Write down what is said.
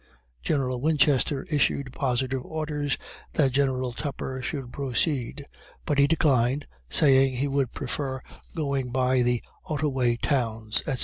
General Winchester issued positive orders that General Tupper should proceed; but he declined, saying he would prefer going by the Ottoway towns, &c.